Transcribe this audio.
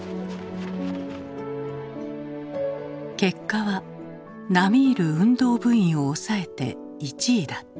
結果は並み居る運動部員を抑えて１位だった。